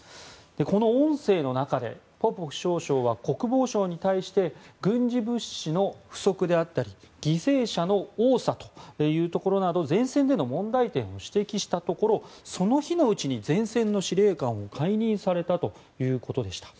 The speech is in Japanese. この音声の中でポポフ少将は国防省に対して軍事物資の不足であったり犠牲者の多さというところなど前線での問題点を指摘したところその日のうちに前線の司令官を解任されたということでした。